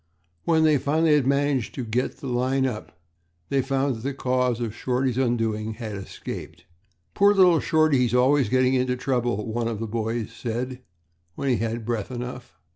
When they finally had managed to get the line up they found that the cause of Shorty's undoing had escaped. "Poor little Shorty, he's always getting into trouble," one of the boys said when he had breath enough.